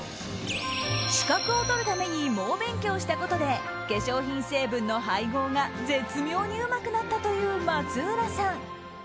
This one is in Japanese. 資格を取るために猛勉強したことで化粧品成分の配合が、絶妙にうまくなったという松浦さん。